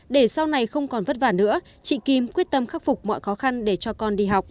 để sau này không còn vất vả nữa chị kim quyết tâm khắc phục mọi khó khăn để cho con đi học